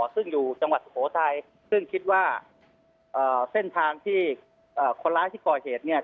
ซึ่งอยู่จังหวัดสุโขทัยซึ่งคิดว่าเส้นทางที่คนร้ายที่ก่อเหตุเนี่ย